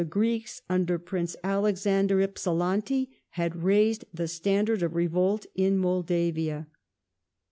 (Greeks under Prince Alexander Hypsilanti had raised the standard tion j .^^ •of revolt in Moldavia.